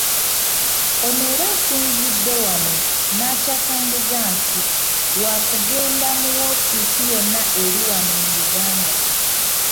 Ono era asinzidde wano n’akyasanguza nti waakugenda mu woofiisi yonna eri wano mu Uganda.